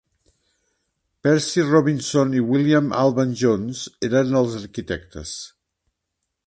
Percy Robinson i William Alban Jones eren els arquitectes.